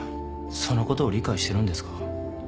そのことを理解してるんですか？